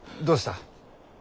どうした？